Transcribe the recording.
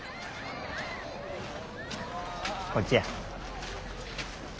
こっちや。